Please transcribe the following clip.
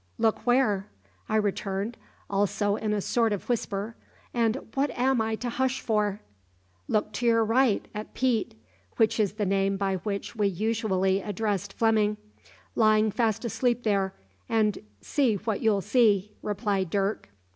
"`Look where?' I returned, also in a sort of whisper; `and what am I to hush for?' "`Look to your right, at Pete,' which is the name by which we usually addressed Fleming `lying fast asleep there, and see what you'll see,' replied Dirk.